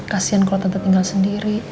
kasian kalau tante tinggal sendiri